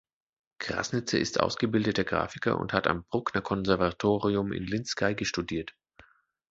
Krassnitzer ist ausgebildeter Grafiker und hat am Brucknerkonservatorium in Linz Geige studiert.